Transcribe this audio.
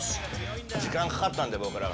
時間かかったんで、僕らは。